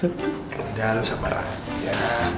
engga lu sabar aja